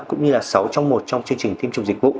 cũng như sáu trong một trong chương trình tiêm chủng